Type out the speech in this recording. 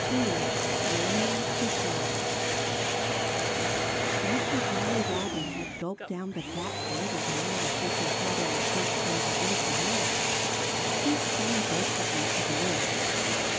II LEARNING TO FLY After Jolly Robin had gulped down the fat angleworm with which his father had coaxed him to leave the nest, he clung desperately to the limb.